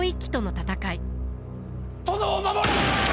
殿を守れ！